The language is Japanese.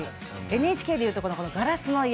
ＮＨＫでいうと「ガラスの家」